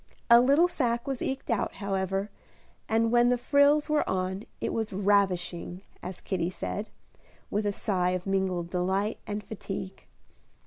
A little sacque was eked out, however, and when the frills were on, it was "ravishing," as Kitty said, with a sigh of mingled delight and fatigue.